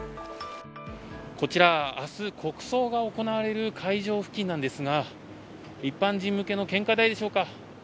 こちらは、明日国葬が行われる会場付近なんですが一般人向けの献花台でしょうか。